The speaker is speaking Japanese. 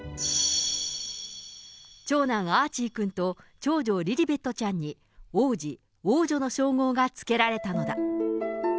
長男、アーチー君と長女、リリベットちゃんに、王子、王女の称号が付けられたのだ。